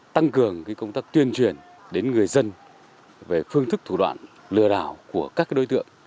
tăng cường công tác tuyên truyền đến người dân về phương thức thủ đoạn lừa đảo của các đối tượng